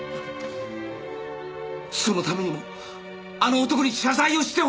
そのためにもあの男に謝罪をしてほしいんだ！